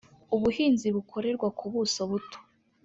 ubuhinzi bukorerwa ku buso buto